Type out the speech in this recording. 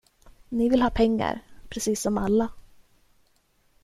Ni vill ha pengar, precis som alla...